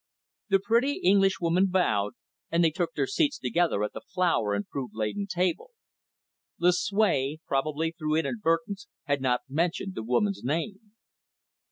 The pretty Englishwoman bowed, and they took their seats together at the flower and fruit laden table. Lucue, probably through inadvertence had not mentioned the woman's name.